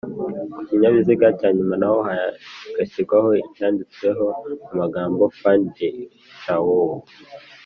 kukinyabiziga cyanyuma naho hagashyirwaho icyanditseho amagambo ‘’fin de cawvoi’’